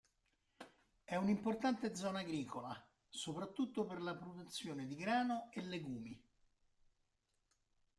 È un'importante zona agricola, soprattutto per la produzione di grano e legumi.